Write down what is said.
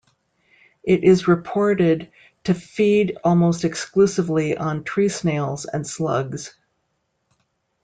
It is reported to feed almost exclusively on tree snails and slugs.